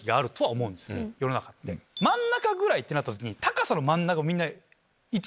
真ん中ぐらいってなった時に。